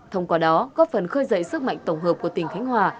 thông qua đó góp phần khơi dậy sức mạnh tổng hợp của tỉnh khánh hòa